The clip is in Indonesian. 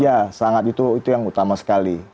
ya sangat itu yang utama sekali